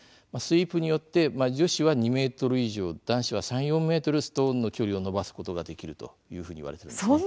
スイープによって女子は２ｍ以上男子は３、４ｍストーンの距離を伸ばすことができるといわれています。